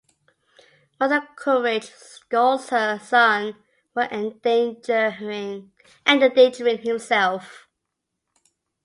Mother Courage scolds her son for endangering himself.